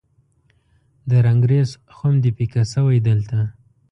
د رنګریز خم دې پیکه شوی دلته